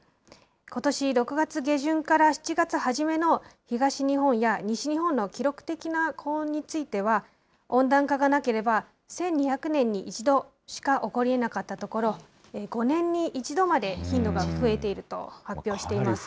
ことし６月下旬から７月初めの東日本や西日本の記録的な高温については、温暖化がなければ、１２００年に１度しか起こりえなかったところ、５年に１度まで頻度が増えていると発表しています。